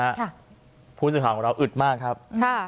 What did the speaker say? ค่ะผู้สื่อข่าวของเราอึดมากครับค่ะ